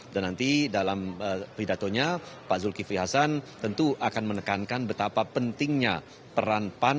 nanti dalam pidatonya pak zulkifli hasan tentu akan menekankan betapa pentingnya peran pan